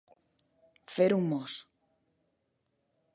Fer un mos.